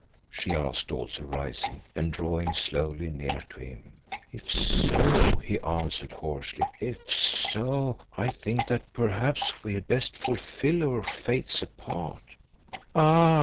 she asked, also rising and drawing slowly near to him. "If so," he answered hoarsely, "if so, I think that perhaps we had best fulfil our fates apart " "Ah!"